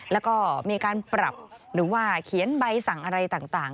แล้วก็มีการปรับหรือว่าเขียนใบสั่งอะไรต่าง